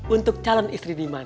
untuk calon istri diman